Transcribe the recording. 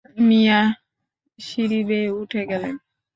মিয়া সিড়ি বেয়ে উঠে গেলেন।